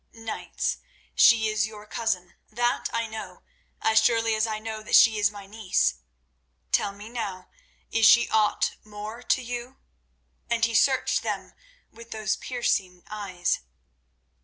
"Knights, she is your cousin, that I know, as surely as I know that she is my niece. Tell me now, is she aught more to you?" and he searched them with those piercing eyes.